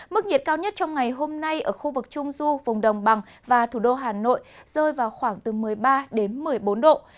mức nhiệt cao nhất trong ngày hôm nay ở khu vực trung du vùng đồng bằng và thủ đô hà nội rơi vào khoảng từ một mươi ba đến một mươi bốn độ